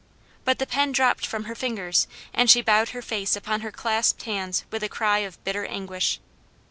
But the pen dropped from her fingers, and she bowed her face upon her clasped hands with a cry of bitter anguish.